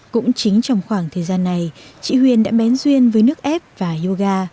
cũng chính trong khoảng thời gian này chị huyền đã bén duyên với nước ép và yoga